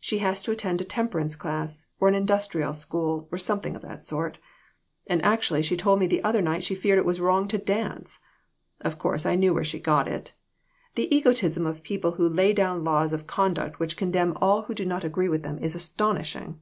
She has to attend a temperance class, or an industrial school, or something of that sort. And actually she told me the other night she feared it was wrong to dance. Of course, I knew where she got it. The egotism of people who lay down laws of conduct which condemn all 240 THIS WORLD, AND THE OTHER ONE. who do not agree with them is astonishing